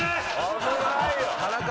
危ないよ。